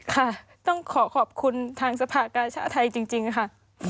ค่ะต้องขอขอบคุณทางสภากาชาติไทยจริงค่ะ